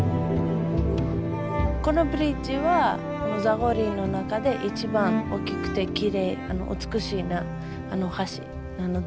このブリッジはザゴリの中で一番大きくて美しい橋なので。